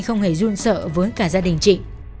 không hề run sợ với cả gia đình chị